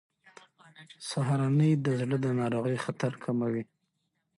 سهارنۍ د زړه د ناروغۍ خطر کموي.